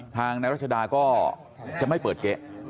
ทางนายรัชดาก็จะไม่เปิดเก๊ะ